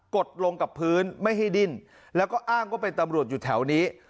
ดลงกับพื้นไม่ให้ดิ้นแล้วก็อ้างว่าเป็นตำรวจอยู่แถวนี้